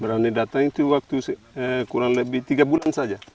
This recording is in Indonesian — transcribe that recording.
berani datang itu waktu kurang lebih tiga bulan saja